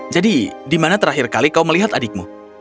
jadi di mana terakhir kali kau melihat adikmu